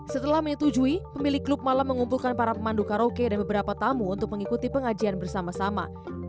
setelah menyetujui pemilik klub malam mengumpulkan para pemandu karaoke dan beberapa tamu untuk mengikuti pengajian bersama sama